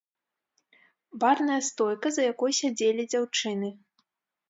Барная стойка, за якой сядзелі дзяўчыны.